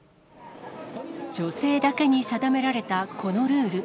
女性だけに定められたこのルール。